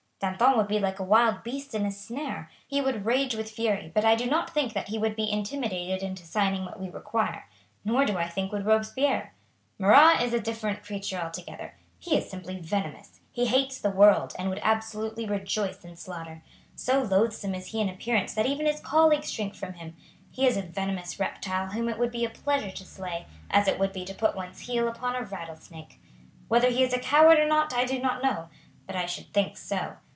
"Danton would be like a wild beast in a snare. He would rage with fury, but I do not think that he would be intimidated into signing what we require, not do I think would Robespierre. Marat is a different creature altogether. He is simply venomous. He hates the world, and would absolutely rejoice in slaughter. So loathsome is he in appearance that even his colleagues shrink from him. He is a venomous reptile whom it would be a pleasure to slay, as it would be to put one's heel upon a rattlesnake. Whether he is a coward or not I do not know, but I should think so.